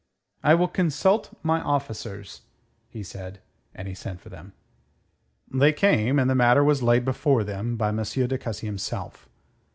"I will consult my officers," he said; and he sent for them. They came and the matter was laid before them by M. de Cussy himself.